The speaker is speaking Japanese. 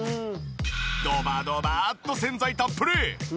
ドバドバッと洗剤たっぷり！